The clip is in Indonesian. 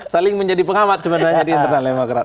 saling menjadi pengamat sebenarnya di internal lemah kerat